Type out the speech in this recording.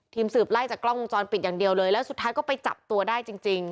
ทีมสืบไล่จากกล้องวงจรปิดอย่างเดียวเลยแล้วสุดท้ายก็ไปจับตัวได้จริงจริง